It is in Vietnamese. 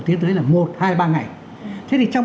tiến tới là một hai ba ngày thế thì trong